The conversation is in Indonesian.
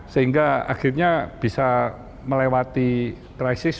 sehingga akhirnya bisa melewati krisis